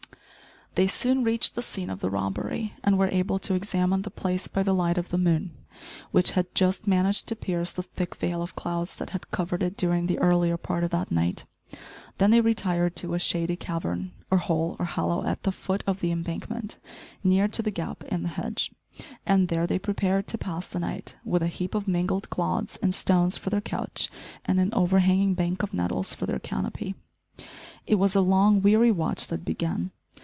They soon reached the scene of the robbery, and were able to examine the place by the light of the moon, which had just managed to pierce the thick veil of clouds that had covered it during the earlier part of that night. Then they retired to a shady cavern, or hole, or hollow at the foot of the embankment, near to the gap in the hedge, and there they prepared to pass the night, with a heap of mingled clods and stones for their couch, and an overhanging bank of nettles for their canopy. It was a long weary watch that began.